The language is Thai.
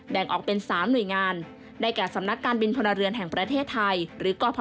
แบ่งออกเป็น๓หน่วยงานได้แก่สำนักการบินพลเรือนแห่งประเทศไทยหรือกพ